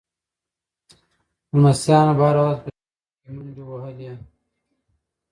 لمسیانو به هره ورځ په چمن کې منډې وهلې.